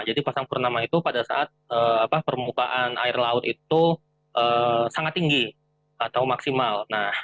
jadi pasang purnama itu pada saat permukaan air laut itu sangat tinggi atau maksimal